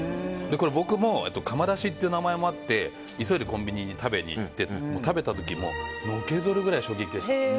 僕も窯出しっていう名前もあって急いでコンビニに食べに行って食べた時のけぞるぐらい衝撃でした。